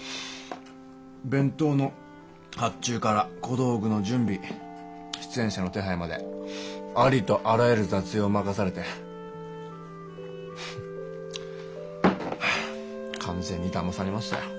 弁当の発注から小道具の準備出演者の手配までありとあらゆる雑用任されてはあ完全にだまされましたよ。